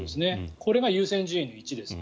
これが優先順位の１です。